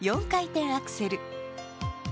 ４回転アクセル。